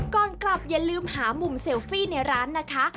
ก่อนกลับอย่าลืมหามุมเซลฟี่ในร้านนะคะ